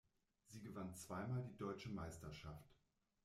Sie gewann zweimal die deutsche Meisterschaft.